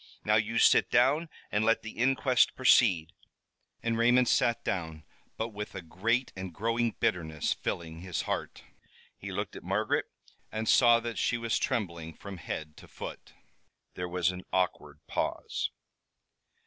Now, you sit down, and let the inquest proceed." And Raymond sat down, but with a great and growing bitterness filling his heart. He looked at Margaret and saw that she was trembling from head to foot. There was an awkward pause.